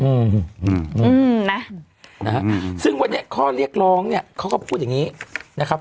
อืมอืมนะนะฮะอืมซึ่งวันนี้ข้อเรียกร้องเนี้ยเขาก็พูดอย่างงี้นะครับ